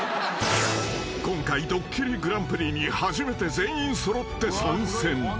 ［今回『ドッキリＧＰ』に初めて全員揃って参戦］